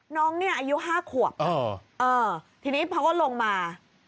น้องเนี่ยอายุ๕ขวบทีนี้เขาก็ลงมา